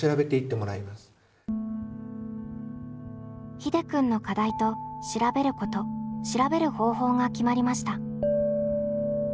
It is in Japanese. ひでくんの「課題」と「調べること」「調べる方法」が決まりました。